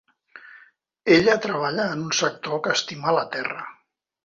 Ella treballa en un sector que estima la terra.